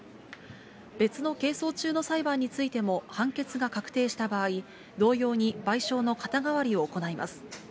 別の係争中の裁判についても判決が確定した場合、同様に賠償の肩代わりを行います。